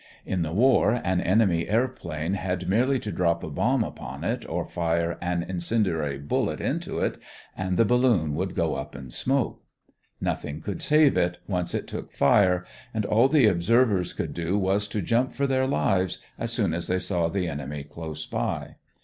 In the war an enemy airplane had merely to drop a bomb upon it or fire an incendiary bullet into it, and the balloon would go up in smoke. Nothing could save it, once it took fire, and all the observers could do was to jump for their lives as soon as they saw the enemy close by.